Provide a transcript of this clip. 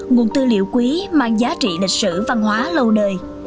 nguồn tư liệu quý mang giá trị lịch sử văn hóa lâu đời